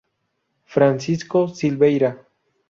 Francisco Silveira.